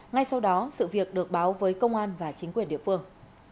ngay sau đó sự việc được báo với công an và chính quyền địa phương